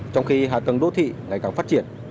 trong khi hạ tầng đô thị ngày càng phát triển